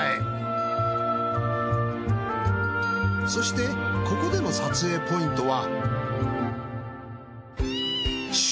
そしてここでの撮影ポイントは。